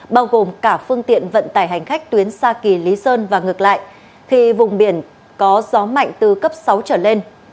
bao gồm cả phương tiện vận tải hành khách tuyến xa kỳ lý sơn và ngược lại thì vùng biển có gió mạnh từ cấp sáu trở lên